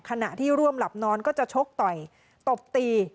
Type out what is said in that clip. ขณะที่ร่วมหลับนอนก็จะชกต่อยตบตี